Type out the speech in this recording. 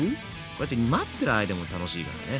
こうやって待ってる間も楽しいからね。